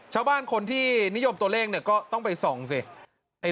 ชาวบ้านคนที่นิยมตัวเลขเนี่ยก็ต้องไปส่องสิ